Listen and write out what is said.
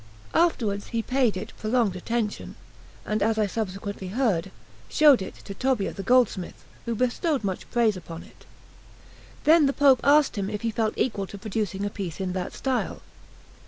Afterwards he paid it prolonged attention; and, as I subsequently heard, showed it to Tobbia the gold smith, who bestowed much praise upon it. Then the Pope asked him if he felt equal to producing a piece in that style.